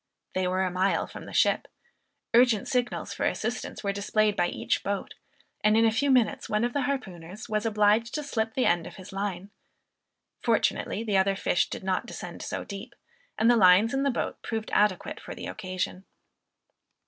They were a mile from the ship. Urgent signals for assistance were displayed by each boat, and in a few minutes one of the harpooners was obliged to slip the end of his line. Fortunately the other fish did not descend so deep, and the lines in the boat proved adequate for the occasion.